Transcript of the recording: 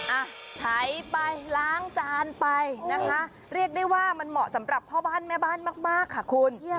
อ่ะไถไปล้างจานไปนะคะเรียกได้ว่ามันเหมาะสำหรับพ่อบ้านแม่บ้านมากค่ะคุณ